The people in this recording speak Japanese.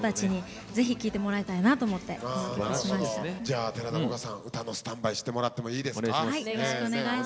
じゃあ寺田もかさん歌のスタンバイしてもらってもいいですか？